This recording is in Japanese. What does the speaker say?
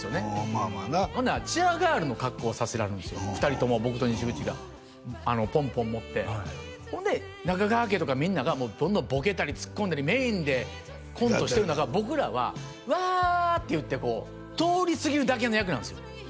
まあまあなほんならチアガールの格好をさせられるんすよ２人とも僕と西口がポンポン持ってほんで中川家とかみんながどんどんボケたりツッコんだりメインでコントしてるのが僕らはわーって言ってこう通り過ぎるだけの役なんすよ